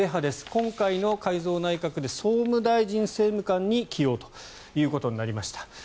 今回の改造内閣で総務大臣政務官に起用ということになりました。